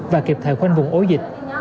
và kịp thời khoanh vùng ổ dịch